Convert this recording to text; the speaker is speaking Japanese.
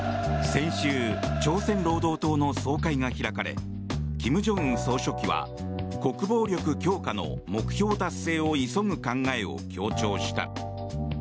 先週朝鮮労働党の総会が開かれ金正恩総書記は国防力強化の目標達成を急ぐ考えを強調した。